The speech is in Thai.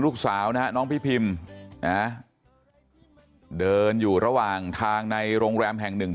ลูกสาวนะฮะน้องพี่พิมนะเดินอยู่ระหว่างทางในโรงแรมแห่งหนึ่ง